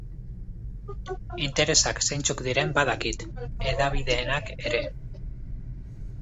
Interesak zeintzuk diren badakit, hedabideenak ere.